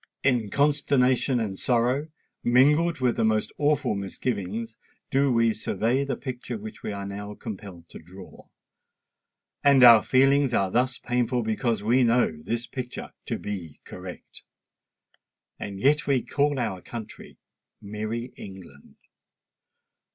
In consternation and sorrow, mingled with the most awful misgivings, do we survey the picture which we are now compelled to draw;—and our feelings are thus painful because we know this picture to be correct! And yet we call our country "MERRY ENGLAND!"